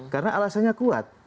karena alasannya kuat